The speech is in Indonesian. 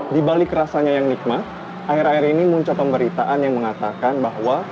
di balik rasanya yang nikmat akhir akhir ini muncul pemberitaan yang mengatakan bahwa